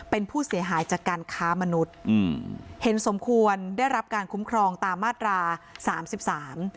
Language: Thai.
เป็นผู้เสียหายจากการค้ามนุษย์อืมเห็นสมควรได้รับการคุ้มครองตามมาตราสามสิบสาม